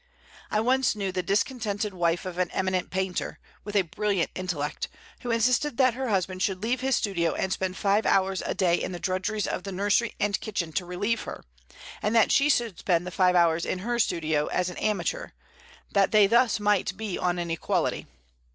I once knew the discontented wife of an eminent painter, with a brilliant intellect, who insisted that her husband should leave his studio and spend five hours a day in the drudgeries of the nursery and kitchen to relieve her, and that she should spend the five hours in her studio as an amateur, that they thus might be on an equality!